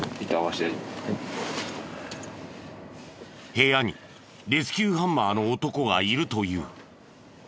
部屋にレスキューハンマーの男がいるという。